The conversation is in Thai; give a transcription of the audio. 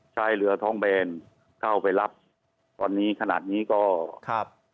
ใช้เรือท้องแบนเข้าไปรับตอนนี้ขนาดนี้ก็ครับ